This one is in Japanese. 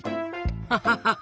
ハハハハ。